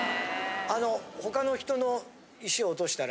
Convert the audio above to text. あの他の人の石を落としたら。